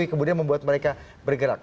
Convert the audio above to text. kemudian membuat mereka bergerak